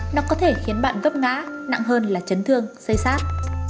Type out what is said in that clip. nó có thể khiến bạn gấp ngã nặng hơn là chấn thương xây xác